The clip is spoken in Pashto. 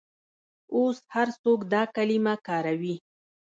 اوس هر څوک دا کلمه کاروي.